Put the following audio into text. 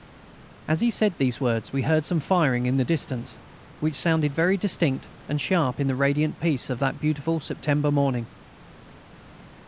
As he said these words we heard some firing in the distance, which sounded very distinct and sharp in the radiant peace of that beautiful September morning.